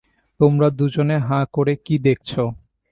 তোমরা দুজনে হাঁ করে কী দেখছ?